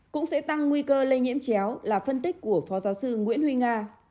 cũng sẽ tăng nguy cơ lây nhiễm chéo là phân tích của phó giáo sư nguyễn huy nga